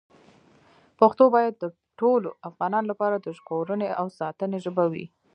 پښتو باید د ټولو افغانانو لپاره د ژغورنې او ساتنې ژبه وي.